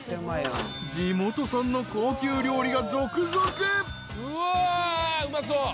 ［地元産の高級料理が続々］